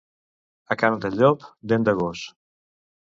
A carn de llop, dent de gos.